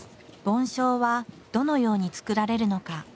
梵鐘はどのようにつくられるのか。